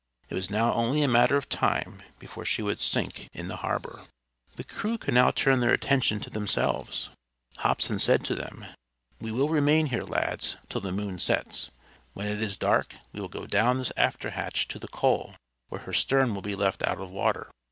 It was now only a matter of time before she would sink in the harbor. The crew could now turn their attention to themselves. Hobson said to them, "We will remain here, lads, till the moon sets. When it is dark we will go down the after hatch, to the coal, where her stern will be left out of water.